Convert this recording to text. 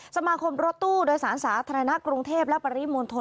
สมาคมรถตู้โดยศาสตราธารณะกรงเทพฯและปริมณ์มนตร